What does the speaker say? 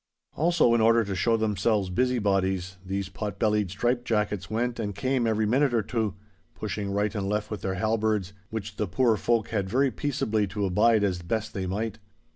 Also, in order to show themselves busybodies, these pot bellied stripe jackets went and came every minute or two, pushing right and left with their halberts, which the poor folk had very peaceably to abide as best they might.